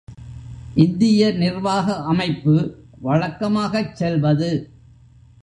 இந்திய நிர்வாக அமைப்பு, வழக்கமாகச் செல்வது.